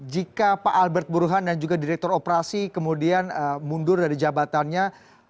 jika pak albert buruhan dan juga direktur operasi kemudian mundur dari jabatannya